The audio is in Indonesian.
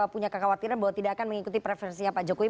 punya kekhawatiran bahwa tidak akan mengikuti preferensinya pak jokowi